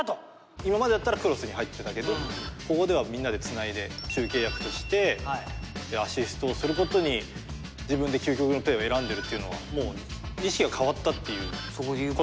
今までだったらクロスに入ってたけどここではみんなでつないで中継役としてアシストすることに自分で究極のプレーを選んでるっていうのはもう意識が変わったっていうことだと思うんですよね。